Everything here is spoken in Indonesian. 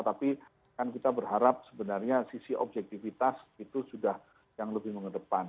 tapi kan kita berharap sebenarnya sisi objektivitas itu sudah yang lebih mengedepan